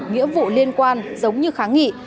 nghĩa vụ liên quan giống như kháng nghị